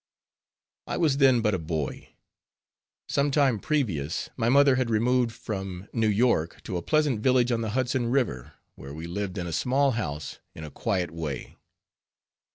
I was then but a boy. Some time previous my mother had removed from New York to a pleasant village on the Hudson River, where we lived in a small house, in a quiet way.